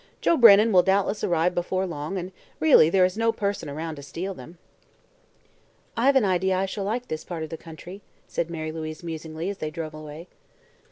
"Joe Brennan will doubtless arrive before long and, really, there is no person around to steal them." "I've an idea I shall like this part of the country," said Mary Louise musingly, as they drove away.